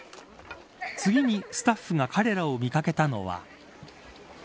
次にスタッフが彼らを見掛けたのは。